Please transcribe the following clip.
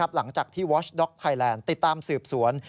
หลังจากที่วอชด็อกไทยแลนด์ติดตามสืบสวน